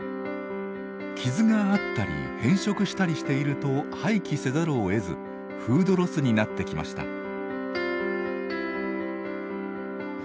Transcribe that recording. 傷があったり変色したりしていると廃棄せざるをえずフードロスになってきました。